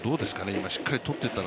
今しっかりとっていった。